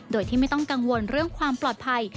โดยที่ไม่ต้องกังวลเรื่องความปลอดภัย